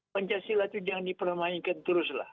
pancasila itu jangan dipermainkan terus lah